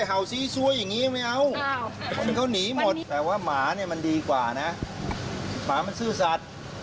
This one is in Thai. หมายความว่าหมามันดีกว่านะหมามันชื่อสัตว์